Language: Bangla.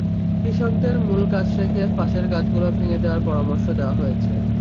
কৃষকদের মূল গাছ রেখে পাশের গাছগুলো ভেঙে দেওয়ার পরামর্শ দেওয়া হয়েছে।